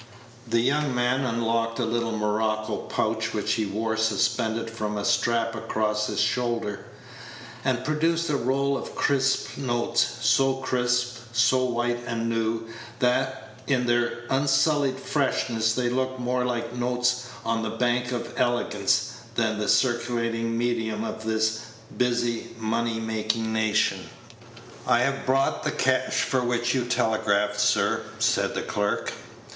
The young man unlocked a little morocco pouch which he wore suspended from a strap across his shoulder, and produced a roll of crisp notes; so crisp, so white and new, that, in their unsullied freshness, they looked more like notes on the Bank of Elegance than the circulating medium of this busy, money making nation. "I have brought the cash for which you telegraphed, sir," said the clerk.